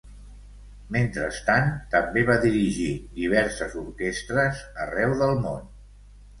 Mentrestant també va dirigir diverses orquestres arreu del món.